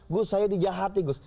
gus saya dijahati gus